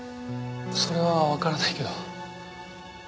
それはわからないけど。